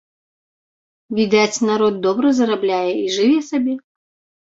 Відаць, народ добра зарабляе і жыве сабе.